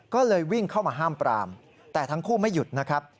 ก็เลยวิ่งเข้ามาห้ามปรามแต่ทั้งคู่ไม่หยุดนะครับ